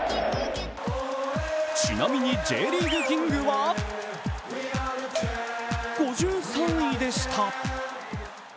ちなみにＪリーグキングは５３位でした。